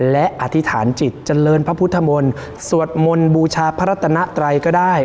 และอธิษฐานจิตเจริญพระพุทธมนต์สวดมนต์บูชาพระรัตนไตรก็ได้